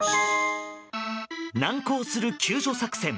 難航する救助作戦。